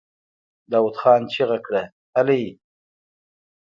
داوود خان چيغه کړه! هلئ!